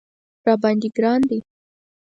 راباندې ګران دی